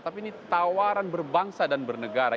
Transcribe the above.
tapi ini tawaran berbangsa dan bernegara